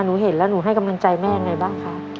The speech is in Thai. เห็นแล้วหนูให้กำลังใจแม่ยังไงบ้างคะ